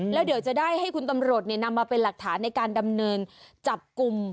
แล้วเดี๋ยวจะได้ให้คุณตำรวจนำมาเป็นหลักฐานในการดำเนินจับกลุ่ม